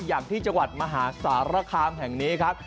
อย่างที่จังหวัดมหาสารคามแห่งนี้ครับ